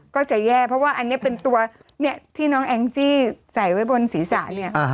ก็จะแย่เพราะว่าอันนี้เป็นตัวเนี่ยที่น้องแองจี้ใส่ไว้บนศีรษะเนี่ย